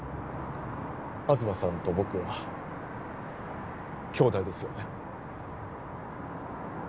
東さんと僕は兄弟ですよね？